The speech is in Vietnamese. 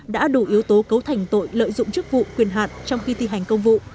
đã đủ yếu tố cấu thành tội lợi dụng chức vụ quyền hạn trong khi thi hành công vụ